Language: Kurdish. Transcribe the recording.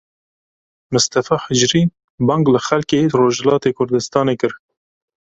Mistefa Hicrî bang li xelkê Rojhilatê Kurdistanê kir.